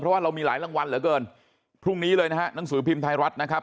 เพราะว่าเรามีหลายรางวัลเหลือเกินพรุ่งนี้เลยนะฮะหนังสือพิมพ์ไทยรัฐนะครับ